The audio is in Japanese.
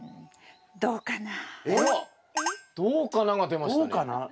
「どうかな？」が出ましたね。